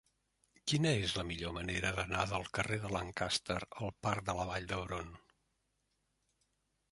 Quina és la millor manera d'anar del carrer de Lancaster al parc de la Vall d'Hebron?